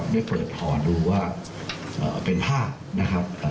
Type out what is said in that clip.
ได้เปิดห่อดูว่าเป็นภาพนะครับ